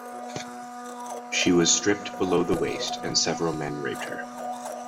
She was stripped below the waist, and several men raped her.